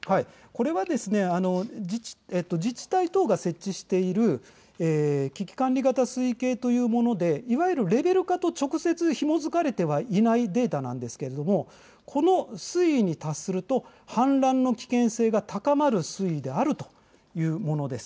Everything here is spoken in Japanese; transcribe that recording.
これは自治体等が設置している危機管理型推計というものでいわゆるレベルと直接ひもづかれていないデータなんですがこの水位に達すると氾濫の危険性が高まるということです。